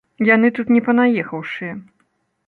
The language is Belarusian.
Яны тут не панаехаўшыя.